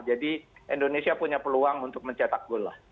jadi indonesia punya peluang untuk mencetak gol lah